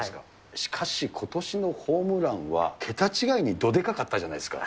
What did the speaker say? しかし、ことしのホームランは、桁違いにどでかかったじゃないですか。